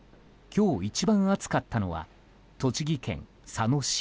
今日、一番暑かったのは栃木県佐野市。